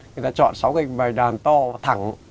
người ta chọn sáu cây bạch đàn to và thẳng